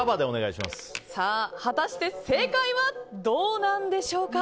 果たして正解はどうなんでしょうか。